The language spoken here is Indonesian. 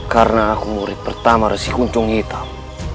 karena aku murid pertama resikun cung hitam